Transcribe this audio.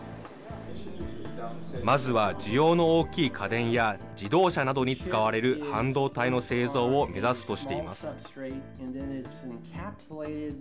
まずは需要の大きい家電や、自動車などに使われる半導体の製造を目指すとしています。